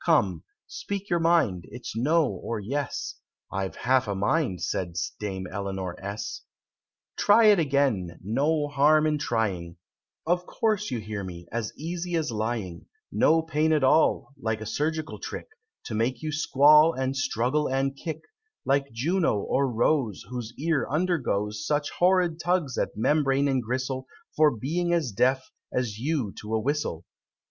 Come speak your mind it's 'No or Yes,'" ("I've half a mind," said Dame Eleanor S.) "Try it again no harm in trying, Of course you hear me, as easy as lying; No pain at all, like a surgical trick, To make you squall, and struggle, and kick, Like Juno, or Rose, Whose ear undergoes Such horrid tugs at membrane and gristle, For being as deaf as yourself to a whistle!